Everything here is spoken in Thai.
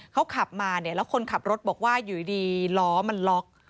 เขาขับมาเนี่ยแล้วคนขับรถบอกว่าอยู่ดีล้อมันล็อก